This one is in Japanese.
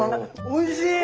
おいしい！